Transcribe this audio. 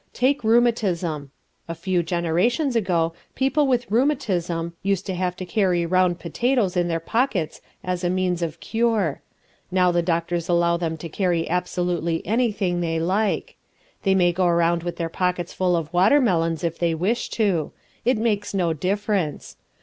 Take rheumatism. A few generations ago people with rheumatism used to have to carry round potatoes in their pockets as a means of cure. Now the doctors allow them to carry absolutely anything they like. They may go round with their pockets full of water melons if they wish to. It makes no difference.